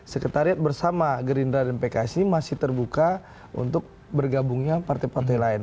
sekretariat bersama gerindra dan pks ini masih terbuka untuk bergabungnya partai partai lain